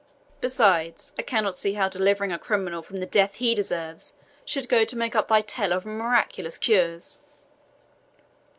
Besides, I cannot see how delivering a criminal from the death he deserves should go to make up thy tale of miraculous cures."